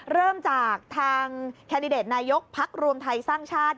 เริ่มจากทางแคนดิเดตนายกพักรวมไทยสร้างชาติ